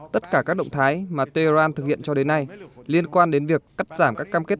tất cả các động thái mà tehran thực hiện cho đến nay liên quan đến việc cắt giảm các cam kết